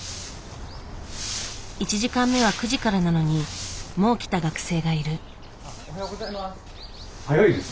１時間目は９時からなのにもう来た学生がいる。